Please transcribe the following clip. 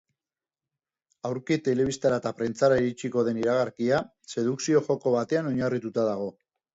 Aurki telebistara eta prentsara iritsiko den iragarkia, sedukzio joko batean oinarrituta dago.